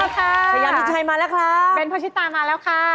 เกมรับจำนำโรงจำนำแห่งความหันศาเปิดทำการแล้วนะครับ